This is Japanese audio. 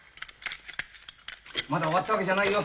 まだ終わったわけじゃないよ。